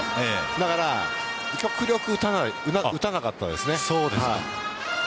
だから極力打たなかったんです。